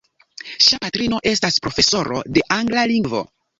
Ŝia patrino estas profesoro de angla lingvo.